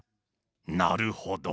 なるほど。